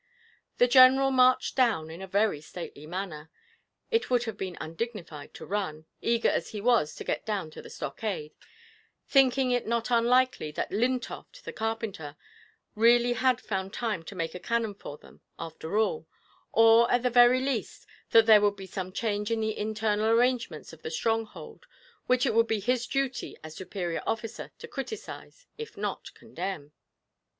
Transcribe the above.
The General marched down in a very stately manner; it would have been undignified to run, eager as he was to get down to the stockade, thinking it not unlikely that Lintoft, the carpenter, really had found time to make a cannon for them after all, or, at the very least, that there would be some change in the internal arrangements of the stronghold which it would be his duty as superior officer to criticise, if not condemn.